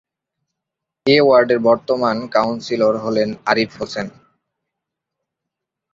এ ওয়ার্ডের বর্তমান কাউন্সিলর হলেন আরিফ হোসেন।